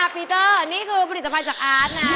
ปีเตอร์นี่คือผลิตภัณฑ์จากอาร์ตนะ